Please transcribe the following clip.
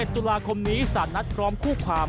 ๑ตุลาคมนี้สารนัดพร้อมคู่ความ